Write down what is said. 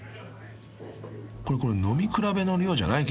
［これ飲み比べの量じゃないけどね］